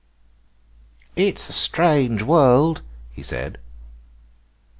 "It's a strange world," he said.